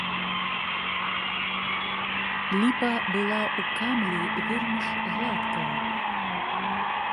Ліпа была ў камлі вельмі ж гладкая.